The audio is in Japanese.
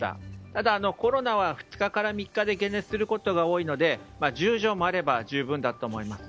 ただ、コロナは２日から３日で解熱することが多いので、１０錠もあれば十分だと思います。